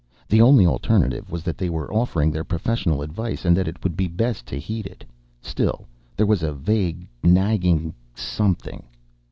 The only alternative was that they were offering their professional advice and that it would be best to heed it. Still, there was a vague, nagging something....